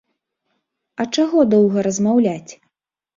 А чаго доўга размаўляць?